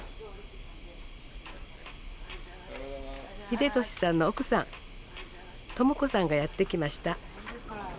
秀俊さんの奥さん朝子さんがやって来ました。